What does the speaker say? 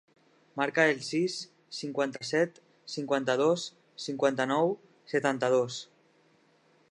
Marca el sis, cinquanta-set, cinquanta-dos, cinquanta-nou, setanta-dos.